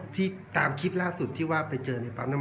แต่ว่าเมืองนี้ก็ไม่เหมือนกับเมืองอื่น